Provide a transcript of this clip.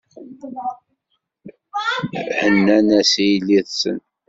Hennan-as i yelli-tsen.